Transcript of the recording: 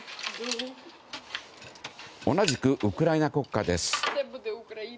同じくウクライナ国歌です。